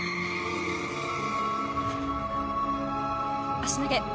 足投げ。